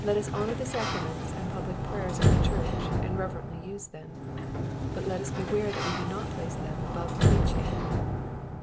Let us honor the sacraments and public prayers of the Church, and reverently use them. But let us beware that we do not place them above preaching.